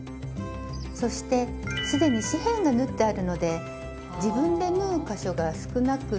そして既に四辺が縫ってあるので自分で縫う箇所が少なく済むんですよね。